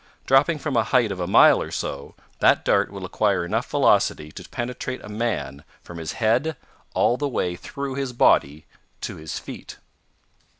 Dropping from a height of a mile or so, that dart will acquire enough velocity to penetrate a man from his head all the way through his body to his feet.